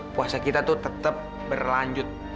puasa kita tuh tetap berlanjut